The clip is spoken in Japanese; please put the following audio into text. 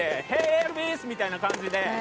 エルヴィスみたいな感じで。